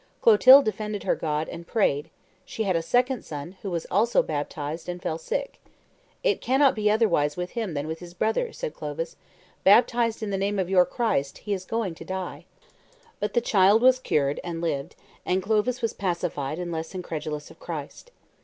Clotilde defended her God and prayed. She had a second son, who was also baptized, and fell sick. "It cannot be otherwise with him than with his brother," said Clovis; "baptized in the name of your Christ, he is going to die." But the child was cured, and lived; and Clovis was pacified and less incredulous of Christ.